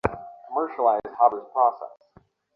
তুমিও খুব সুন্দর করে কথা বল।